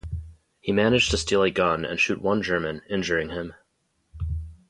He managed to steal a gun and shoot one German, injuring him.